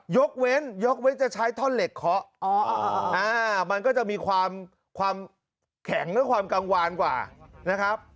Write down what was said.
ยกเว้นยกเว้นจะใช้ท่อนเหล็กเคาะมันก็จะมีความความแข็งและความกังวานกว่านะครับ